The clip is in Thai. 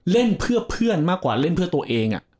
เล่นเพื่อเพื่อนมากกว่าเล่นเพื่อตัวเอง